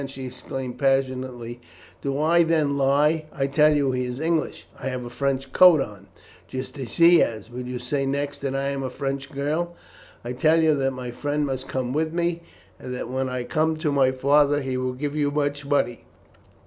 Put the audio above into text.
she exclaimed passionately, "Do I, then, lie? I tell you he is English. I have a French coat on, just as he has. Will you say next that I am a French girl? I tell you that my friend must come with me, and that when I come to my father he will give you much money.